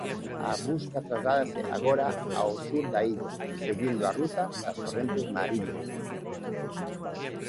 A busca trasládase agora ao sur da illa, seguindo a ruta das correntes mariñas.